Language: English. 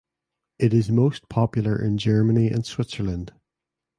It is most popular in Germany and Switzerland.